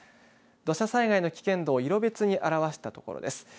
土砂災害の危険度を色別に表したところです。